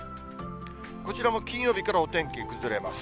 こちらも金曜日からお天気崩れます。